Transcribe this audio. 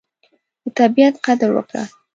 د طبیعت قدر وکړه.